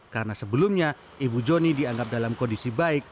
karena sebelumnya ibu joni dianggap dalam kondisi baik